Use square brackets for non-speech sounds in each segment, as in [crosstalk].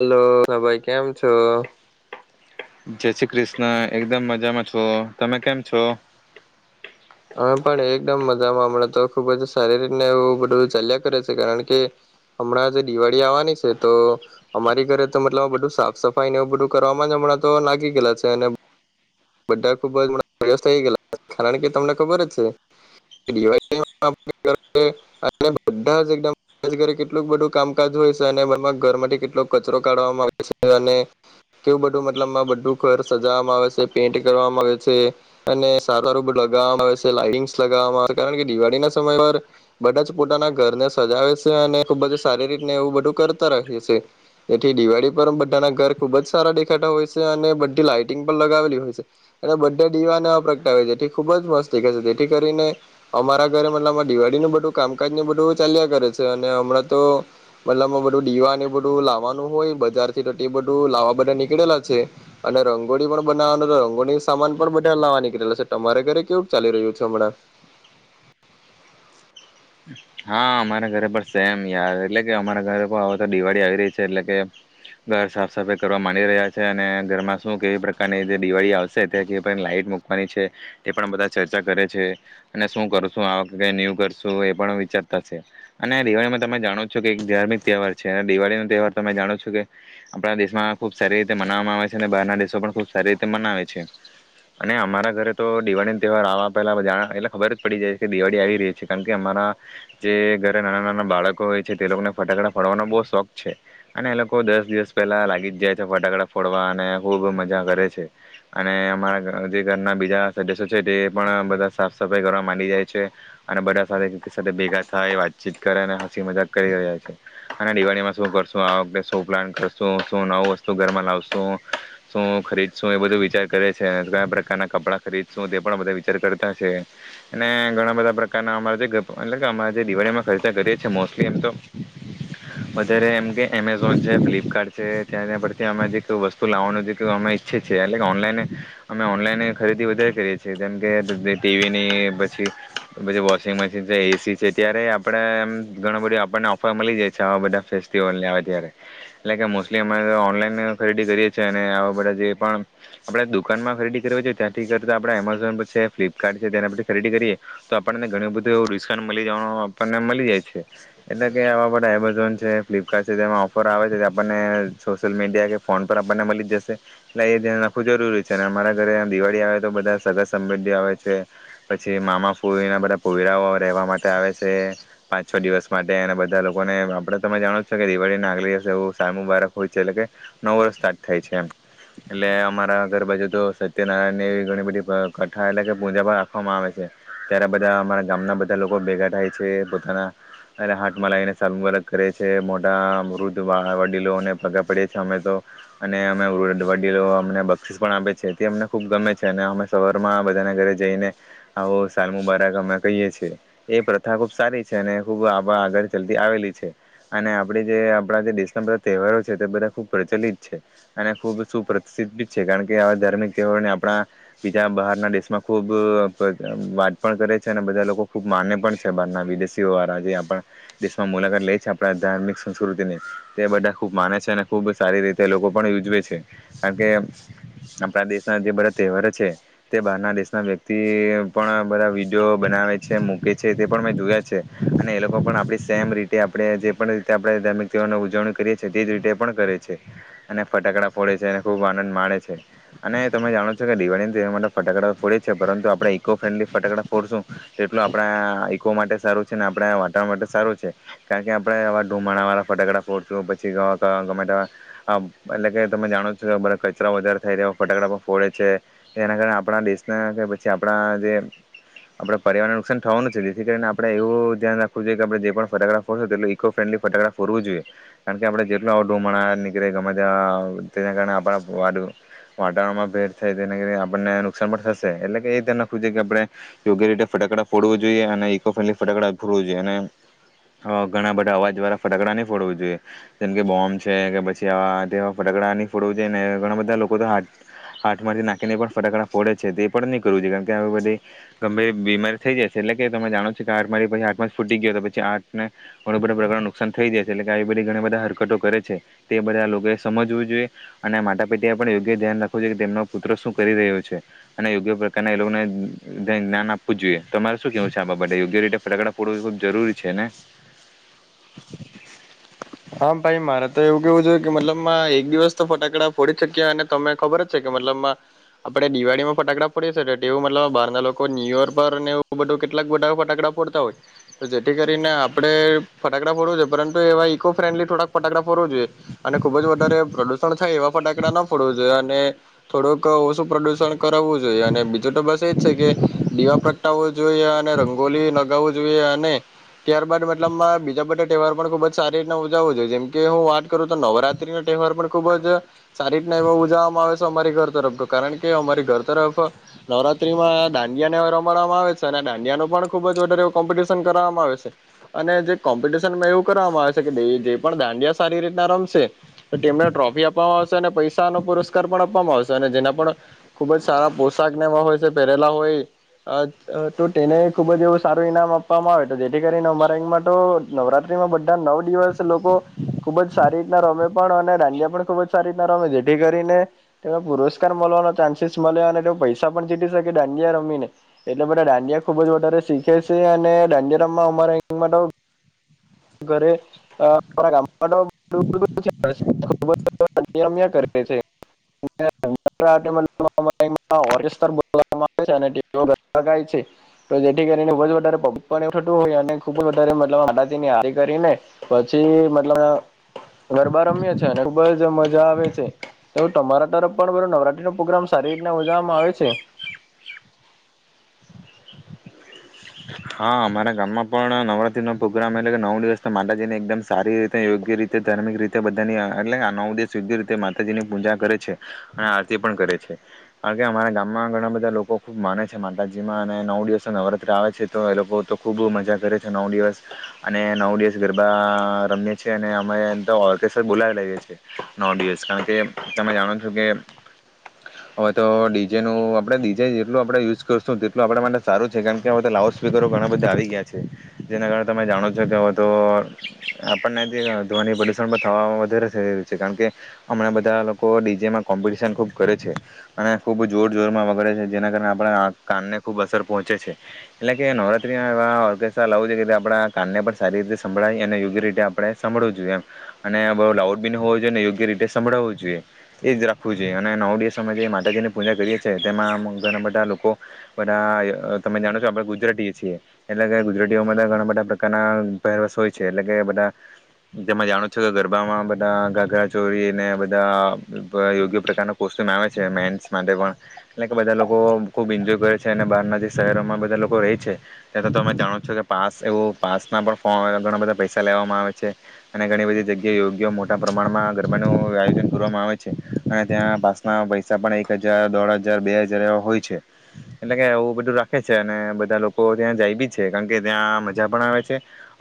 Hello હા ભાઈ કેમ છો? જય શ્રી કૃષ્ણ એકદમ મજામાં છો. તમે કેમ છો? હમે પણ એકદમ મજામાં હમણાં તો ખુબ જ સારીર ને એવું બધું ચાલ્યા કરે છે કારણ કે હમણાં જે દિવાળી આવવાની છે તો અમારી ઘરે તો મતલબ બધું સાફ સફાઈને એવું બધું કરવાવામાં હમણાં તો લાગી ગેલા છે અને બધા ખુબ જ વ્યસ્ત થઈ ગેલા કારણ કે તમને ખબર જ છે બ કેટલુંક [inaudible] બધું કામકાજ હોય છે અને ઘર થી કેટલો કચરો કાઢવામાં આવે છે અને કેવું બધું મતલબમાં બધું ઘર સજાવવામાં આવે છે પેન્ટ કરવામાં આવે છે. અને સારું સારું બી લગાવવામાં આવે છે. લાઇટિંગસ લગાવવામાં આવે છે કારણ કે દિવાળી ના સમય પર બધા જ પોતાના ઘરને સજાવે છે અને ખુબ જ સારી રીતને એવું બધું કરતા ર છે એથી દિવાળી પર બધાના ઘર ખુબ જ સારા દેખાતા હોય છે અને બધી લાાઈટિંગ પણ લગાવેલી હોય છે. અને બધા દીવાને પ્રગટાવે જેથી ખુબ જ મસ્તીખે છે જેથી કરીને અમારા ઘરે મતલબમાં દિવાળી નું બધું કામકાજ ને બધું ચાલ્યા કરે છે અને હમણાં તો મતલબમાં બધું દીવાને બધું લાવાનું હોય બજાર થી તો બધું લાવા બધા નીકળેલા છે અને રંગોળી પણ બનાવવાનું નું પણ સામાન પણ બધા લાવા નીકળેલા છે. તમારે ઘરે કેવું ચાલી રહ્યું છે હમણાં? હા અમારા ઘરે પણ સેમ યાર એટલે કે અમારા ઘરે કોઈ આવે તો દિવાળી આવી રહી છે એટલે કે ઘર સાફ સફાઈ કરવા માંડી રહ્યા છે અને ઘરમાં શું કેવી પ્રકારની દિવાળી આવશે તે તે લાાઈટ મૂકવાની છે તે પણ બધા ચર્ચા કરે છે અને શું કરશું આ વખતે ન્યુ કરશું એ પણ ચડતા છે. અને દિવાળીમાં તમે જાણો છો કે એક ધાર્મિક તહેવાર છે અને દિવાળીનો તહેવાર તમે જાણો છો કે આપણા દેશમાં ખૂબ સારી રીતે મનાવવામાં આવે છે અને બહારના દેશો પણ ખૂબ સારી રીતે મનાવે છે. અને અમારા ઘરે તો દિવાળીનો તહેવાર આવવા પહેલાં જા એટલે ખબર જ પડી જાય છે કે દિવાળી આવી રહી છે કારણ કે અમારા જે ઘરે નાના નાના બાળકો હોય છે તે લોકોને ફટાકડા ફોડવાનો બહુ શોખ છે. અને એ લોકો દસ દિવસ પહેલા લાગી જ જાય છે ફટાકડા ફોડવા અને ખુબ મજા કરે છે. અને અમારા જે ઘરના બીજા સદસ્યો છે તે પણ બધા સાફ સફાઈ કરવા માંડી જાય છે અને બધા સાથે સથે ભેગા થાય વાતચીત કરે અને હસી મજાક કરી રહ્યા છે અને દિવાળીમાં શું કરશું આ વખતે શો પ્લાન કરશું શું નવું વસ્તુ ઘરમાં લાવશું શું ખરીદશું એ બધું વિચાર કરે છે કયા પ્રકારના કપડાં ખરીદશું તે પણ બધા વિચાર કરતા છે અને ઘણા બધા પ્રકારના અમારા જે એટલે કે અ જે દિવાળીમાં ખર્ચા કરીએ છીએ મોસ્ટલી એમ તો વધારે એમ કે એમેઝોન છે, ફ્લિપકાર્ટ છે, ત્યાંના પરથી અ જે વસ્તુ લાવવાનું જે અમે ઈચ્છી એટ ઓનલાઈ અમે ઓનલાઈન ખરીદી વધારે કરીએ છીએ જેમ કે ટીવીની પછી વોશિંગ મશી જી જે એસી છે ત્યારે આપણેે એમ ઘણ બધું આપણને ઓફર મળી જાય છે આવા બધા ફેસ્ટિવલ ને આવે ત્યારે એટલે કે મોસ્ટલી અમે ઓનલાઈન ખરીદી કરીએ છીએ અને આવા બધા જે પણ આપણે દુકાન માં ખરીદી કર છે ત્યાંથી કરતા આપડણે એમેઝોન પર છે ફ્લિપકાર્ટ છે તેના પરથી ખરીદી કરીએ તો આપણને ઘણી બ તો એવું ડિસ્કાઉન્ટ મળી જવાનું આપણને મળી જાય છે. એટલે કે આવા બધા એમેઝોન છે ફ્લિપકાર્ટ છે તેમાં ઓફર આવે છે આપણને સોશિયલ મીડિયા કે ફોન પર આપણને મળી જશે એટલે એ ધ્યાન નાખવું જરૂરી છે અને અમારા ઘરે દિવાળી આવે તો બધા સઘા સંબંધી આવે છે પછી મામા, ફોઈના બધા પીવેરાઓ રહેવા માટે આવે છે. પાંચ છ દિવસ માટે અને બધા લોકોને આપડે તમે જાણો છો કે દિવાળીને આગલે દિવસ એવું સાલમુબારક હોય છે એટલે કે નવ વર્ષ સ્ટાર્ટ થાય છે એમ. એટલે અમારા આગર બાજુ તો સત્યનારાયણ ની એવી ઘણી બધી કથા એટલે કે પૂજા પણ રાખવામાં આવે છે ત્યારે આ બ ધા અમારા ગામના બધા લોકો ભેગા થાય છે પોતાના હાથમાં લાવને સાલમુબારક કરે છે મોટા વૃદ્ધ વડીલોને પગા પડેએ છે અમે તો અને અમે વૃદ વડીલો અમને બક્ષીસ પણ આપે છે તે અમને ખુબ ગમે છે અને અમે સવારમાં બધાના ઘરે જઈને આવો સાલ મુબા રક અમે કહીએ છીએ. એ પ્રથા ખુબ સારી છે અને ખૂબ આ આગળ ચાલતી આવેલી છે અને આપડી જે આપણા જે દેશના બધા તહેવારો છે તે બધા ખુબ પ્રચલિત છે અને ખૂબ સુપ્રસિદ્ધ છે કારણ કે આવા ધાર્મિક તહેવારોને આપણા બીજા બહારના દેશમાં ખૂબ અહ વાત પણ કરે છે અને બધા લોકો ખૂબ માને પણ છે બહારના વિદેશીઓ વાળા જે આપણા દેશમાં મુલાકાત લે છે આપણા ધાર્મિક સંસ્કૃતિની તે બધા ખૂબ માને છે અને ખૂબ સારી રીતે લોકો પણ ઉજવે છે કારણ કે આપણા દેશના જે બધા તહેવારો છે તે બહારના દેશના વ્યક્તિ પણ બધા વિડીયો બનાવે છે મૂકે છે તે પણ મેં જોયા છે અને એ લોકો પણ આપણી સેમ રીતે આપણે જે પણ રીતે આપડે ધાર્મિક તહેવાર ઓની ઉજવણી કરીએ છીએ તેજ રીતે પણ કરે છે અને ફટાકડા ફોડે છે અને ખૂબ આનંદ માડે છે અને તમે જાણો છો કે દિવાળીને તે માટે ફટાકડા ફોડે છે પરંતુ આપણે ઈકો ફ્રેન્ડલી ફટાકડા ફોડશું તો એટલું આપણા ઈકો માટે સારું છે ને આપણા વાટવરણ માટે સારું છે કારણ કે આપણે આવા ધુમાડાવાળા ફટાકડા ફોડશું પછી ગમે એટલે કે તમે જાણો છો કે બરા કચરા વધારે થાયવા ફટાકડા પણ ફોડે છે. એના કારણે આપણા દેશને કે પછી આપણા જે આપડે પર્યાવારણને નુકસાન થવાનું છે જેથી કરીને આપડે એવું ધ્યાન રાખવું જોઈએ કે આપડે જે પણ ફટાકડા ફોરશો તેટલું ઇકો ફ્રેન્ડલી ફટાકડા ફોરવું જોઈએ. કારણ કે આપડણે જેટલું અઢોમણા નીકળે ગમે ત્યાં તેના કારણે આપણા વાદ-વાતાવરણમાં ભેટ થાય તેના આપણને નુકસાન પણ થશે એટલે કે એ ધ્યાન રાખવું જોઈએ કે આપડે યોગ્ય રીતે ફટાકડા ફોડવું જોઈએ અને ઇકો ફ્રેન્ડલી ફટાકડા ફોડવું જોઈએ અને અહ ઘણા બધા અવાજ દ્વારા ફટકડા નઈ ફોડવું જોઈએ. જેમ કે બોમ્બ છે કે પછીવા ફટકડા ન ફોડવું જોઈએ ઘણા બધા લોકો તો હાથમાંથી નાખીને પણ ફટાડા ફોડે છે તે પણ નહી કરવું જોઈએ કારણ કે આવી બધી ગંભીર બીમારી થઈ જાય છે એટલે કે તમે જાણો છો કે આ મારી પછી આામાં ફૂટી ગયો તો પછી આને ઘણું બધા પ્રકાર નુકસાન થઈ જાય છે એટલે કે આ બધી ઘણી બધા હરકતો કરે છે તે બધા લોકોએ સમજવું જોઈએ અને માતા પિતા એ પણ યોગ્ય ધ્યાન રાખવું જોઈએ કે તેમનો પુત્ર શું કરી રહ્યો છે અને યોગ્ય પ્રકારના એ લોકોને દેન જ્ઞાન આપવું જોઈએ. તમારે શું કેવું છે આ બાબતે યોગ્ય રીતે ફટકડા ફોડવું ખૂબ જરૂરી છે ને? હા ભાઈ મારે તો એવું કેવું છે કે મતલબમાં એક દિવસ તો ફટાકડા ફોડી શકીએ અને તમે ખબર જ છે કે મતલબમાં આપડે દિવાળીમાં ફટાકડા ફોડીએ છ એવું મતલબ બહાર લોકો ન્યુ ર પર એવું બધું કેટલાક બટા ફટાકડા ફોડતા હોય તો જેથી કરીને આપડણે ફટાકડા ફોડવું છે પરંતુ એવા ઇકો ફ્રેન્ડલી થોડાક ફટાકડા ફરડવું જોઈએ અને ખુબ જ વધારે પ્રદુષણ થાય એવા ફટાડા ના ફોડવું જોઈએ અને થોડુંક ઓછું પ્રદુષણ કરાવવું જોઈએ અને બીજું તો બસ એજ છે કે દીવા પ્રગટાવો જોઈએ અને રંગોલી નગાવું જોઈએ અને ત્યારબાદ મતલબમાં બીજા બધા તહેવાર પણ ખુબ જ સારી રીત ઉજવ જોઈએ જેમકે હું વાત કરું તો નવરાત્રી નો તહેવાર પણ ખુબ જ સારી રીતના એ ઉજવવામાં આવે છે અમારી ઘર તરફ તો કારણ કે અમારી ઘર તરફ નવરાત્રીમાં દાંડિયાને રમાડવામાં આવે છે અને દાંડિયા ન પણ ખુબ જ વધારે કોમ્પિટિશન કરવામાં આવે છે અને જે કોમ્પિટિશનમાં એવું કરવામાંજ [inaudible] જે દાંડિયા સારી રીતના રમશે તો તેમને ટ્રોફી આપવામાં આવશે અને પૈસાનો પુરસ્કાર પણ આપવામાં આવશે અને જેના પણ ખુબ જ સારા પોશાકનેવા હોય પહેરેલા હોય અહ અહ તો ટેને ખુબ જ એવું સારું ઈનામ આપવામાં આવે તો જેથી કરીને અમારામાં રેનમાંતો નવરાત્રીમાં બધા નવ દિવસ લોકો ખુબ જ સારી રીતના રમે પણ અને દાંડિયા પણ ખુબ જ સારી રીતના રમે જેથી કરીને તેને પુરસ્કાર મળવાનો ચાન્સીસ મલે અને તે પૈસા પણ જીતી શકે દાંડિયા રમીને એટલે બધા દાંડિયા ખુબ જ વધારે શીખે છે અને દાંડિયા રમવા હમારા [inaudible] માં તો [inaudible] તો જેથી વધ વધારે પબ્લિક પણ થતું હોઈ ને ખૂબ વધારે મતલબ જેમ એ આરી કરીને પછી મતલબ અહ ગરબા રમીએ છે અને ખુબ જ મજા આવે છે એવ તમારા તરફ પણ બ નવરાત નો પ્રોગ્રામ સારી રીતના મજામાં આવે છે? હા અમારા ગામમાં પણ નવરાત્રી નો પ્રોગ્રામ એટલે કે નવ દિવસ તો માતાજીને એકદમ સારી રીતે યોગ્ય રીતે ધાર્મિક રીતે બધાની એટલે કે આ નવ દિવસ યોગ્ય રીતે માતાજીની પૂજા કરે છે, અને આરતી પણ કરે છે. કારણ કે અમારા ગામમાં ઘણા બધા લોકો ખૂબ માને છે માતાજીમાં અને નવ દિવસ તો નવરાતત્રી આવે છે તો એ લોકો તો ખૂબ મજા કરે છે નવ દિવસ અને નવ દિવસ ગરબા રમીએ છ છીએ અને અમે એ તો ઓર્કેસ્ટર બોલાવી લઈએ છીએ નવ દિવસ કારણ કે તમે જાણો છો કે હવે તો ડીજેનું આપણે ડીજે જેટલું આપણે યુઝ કરશું તેટલું આપણા માટે સારું છે કારણ કે હવે તો લઉ સ્પીકરો ઘણા બધા આવી ગયા છે. જેના કારણે તમે જાણો છો કે તો આપણને ધ- ધ્વનિ પ્રદુષણ પણ થ વધારે થઈ રહ્યું છે કારણ કે હમણાં બધા લોકો ડીજેમાં કોમ્પિટિશન ખૂબ કરે છે. અને ખૂબ જોર જોરમાં વગડે છે જેના કારણે આપણે આંખ, કાનને ખૂબ અસર પહોંચે છે. એટલે કે નવરાત્ર્રીના એવા ઓર્કેસ્ટ્રા લાવું જોઈએ કે તે આપણા કાનને પણ સારી રીતે સંભળાયી અને યોગ્ય રીતે આપણે સાભળવું જોઈએ એમ અને બહ લાઉડ બી હોવો જોઈએ ને યોગ્ય રીતે સંભળાવવું જોઈએ એ જ રાખવું જોઈએ અને નવ દિવસમાં જે માતાજીની પૂજા કરીએ છીએ તેમાં ઘણા બધા લોકો બધા તમે જાણો જો આપડા ગુજરાતી છીએ એટલે કે ગુજરાતીઓમાં ઘણા બધા પ્રકારના પરવા હોય છે એટલે કે બધા જેમાં જાણો છો કે ગરબામાં બધા ઘાઘરા ચોરીને બધા યોગ્ય પ્રકારના કોસ્તુમ આવે છે મેન્સ માટે પણ એટલે કે બધા લોકો ખુબ એન્જોય કરે છે અને બહારના જે શહેરોમાં એ લોકો રહે છે ત્યાં અમે જાણો છો કે પાસ એવો પાસ ના પણ ફોર્મ ઘણા બધા પૈસા લેવામાં આવે છે અને ઘણી બધી જગ્યાએ યોગ્ય મોટા પ્રમાણમાં ગરબાનું આયોજન કરવામાં આવે છે. અને ત્યાં પાસ ના પૈસા પણ એક હજાર, દોઢ હજાર, બે હજાર એવા હોય છે. એટલે કે આવવું બધું રાખે છે અને બધા લોકો ત્યાં જાય બી છે કારણ કે ત્યાં મજા પણ આવે છે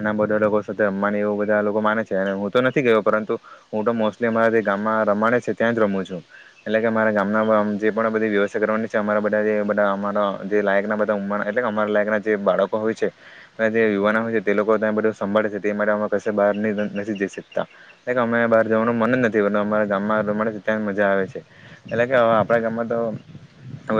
અને આ બધા લોકો સાથે રમવાની એવું બધા લોકો માને છે અને હું તો નથી ગયો પરંતુ હું તો મોસ્ટલી અમારા જે ગામમાં રમાવાડ છે ત્યાં જ રમું છું એટલે કે અરા ગામના જે પણ બધી વ્યવસ્થા કરવાની છે અમારા બધા બધા અમારા જે લાયકના બ ટ અમારા લાયક ના જે બાળકો હોય છે જે યુવાના હોય છે તે લોકો ત્યાં બધ સંભાળે છે તે માટે અમે ક બહાર નથી જ શતા એલે અમે બહાર જવાનું મન જ નથી પર અરા ગામમાં ર ત્યાં મજા આવે છે એટલે કે આપણા ગામમાં તો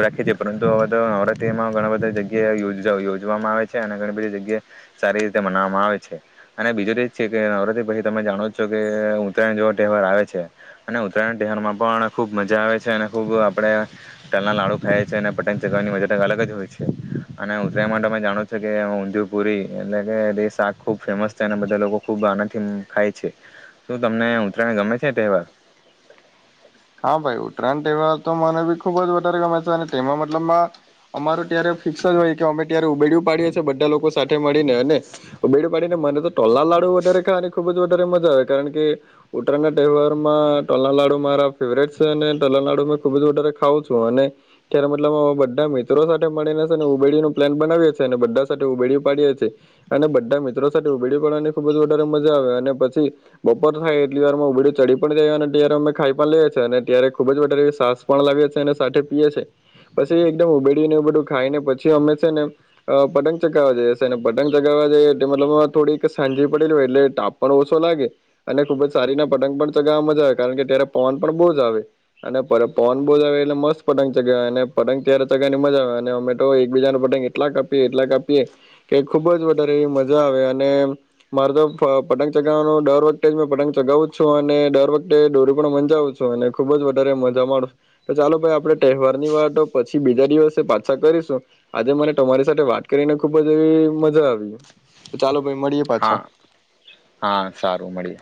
રાખીએ છએ પરંતુ હવે તો નવરાત્રીમાં ઘણા બધા ધની જગ્યાએ યો યોજવામાં આવે છે અને ઘણી બધી જગ્યાએ સારી રીતે મનાવવામાં આવે છે અને બીજું તો જ છે કે નવરાત્રી પછી તમે જાણો જ છો કે ઉત્તરાયણ જેવા તહેવાર આવે છે અને ઉત્તરાયણ તહેવારમાં પણ ખૂબ મજા આવે છે અને ખુબ આપડે તલના લાડુ ખાયએ છે અને પતંગ ચગાવવાની મજા અલગ જ હોય છે અને ઉત્તરાયણ માટેમે જાણો છો કે ઉંધુપુરી એટલે કે શાક ખુબ ફેમસ છે અને બધા લોકો ખુબ આનાથી ખાય છે શું તમને ઉતરાયને ગમે છે તહેવાર હા ભાઈ ઉત્તરાયણ તહેવાર તો મને બી ખુબ જ વધારે ગમે છે અને તેમાં મતલબમાં અમારું ત્યારે ફિક્સ જ હોય કે અમે ત્યારે ઉબેડું પાડીએ છેએ બધા લોકો સાથે મળીને અને ઉબેડ્યું પાડીને મને તો તલના લાડુ વધારે ખાય અને ખૂબ જ વધારે મજા આવે કારણ કે ઉત્તરાયણના તહેવારમાં તલના લાડુ મારા ફેવરેટ છે અને તલનાડુ મે ખુબ જ વધારે ખાવઉં છું અને ત્યારે મતલબ બધા મિત્રો સાથે મળીને ઉબેડીું પ્લાન બનાવીએ છીએ અને બધા સાથે ઉબેડી પાડીએ છીએ અને બધા મિત્રો સાથે ઉબેડી પાડવાની ખુબ જ વધારે મજા આવે અને પછી બપોર થાય એટલી વારમાં ઉબેડી ચડી પણ જાય અને ત્યારે અમે ખાઈ પણ લઈએ છીએ ત્યારે ખુબ જ વધારે છાસ પણ લાવે છે અને સાથે પીએ છ છે પછી એકદમ ઉબેડીને ઉબેડ્યું ખાઈને પછી હમે છે ને પતંગ ચગાવવા જઈએી છે અને પતંગ ચગાવવા જઈએ મતલબ થોડીક સાંજી પડેલી હોય એટલે તાપ પણ ઓછો લાગે અને ખુબ જ સારી ના પતંગ પણ ચગાવવા મજા આવે કારણ કે ત્યારે પવન બ આવે અને પન બહુજ આવે એટલે મસ્ત પતંગ ચગાવે અને પતંગ ત્યારે ચગાવીની મજા આવે અને અમે તો એકબીજા ન પતંગ એટલા કાપીએ એટલા કાપીએ કે ખુબ જ વધારેવી મજા આવે અને મારે તો પતંગ ચગાવવાનું દર વખતે જ મે પતંગ ચગાવું છું અને દર વખતે દોરિ પણ મજાુંું અને ખુબ જ વધારે મજા માશ તો ચાલો ભાઈ આપડણે તહેવાર ની વાત પછી બીજા દિવસે પાછા કરીશું આજે મને તમારી સાથે વાત કરીને ખુબ જ એવી મજા આવી ચાલો ભાઈ મળીએ પાછા હા હા સારું મળીએ